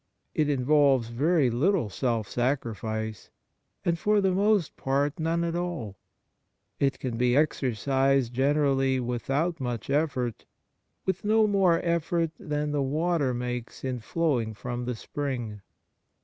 It involves very little self sacrifice, and for the most part none at all. It can be exercised generally without much effort, with no more effort than the water makes in flowing from the spring.